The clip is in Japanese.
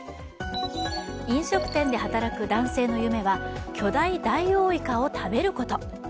飲食店で働く男性の夢は巨大ダイオウイカを食べること。